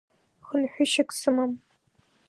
Хынҳәышьак сымам.